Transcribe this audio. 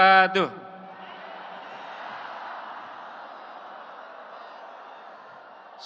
assalamualaikum warahmatullahi wabarakatuh